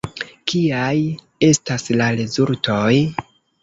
Kiaj estas la rezultoj?